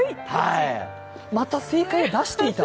また正解を出していた。